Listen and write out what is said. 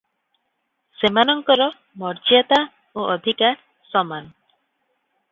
ସେମାନଙ୍କର ମର୍ଯ୍ୟାଦା ଓ ଅଧିକାର ସମାନ ।